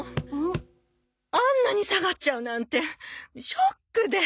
あんなに下がっちゃうなんてショックで。